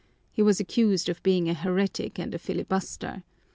He was accused of being a heretic and a filibuster.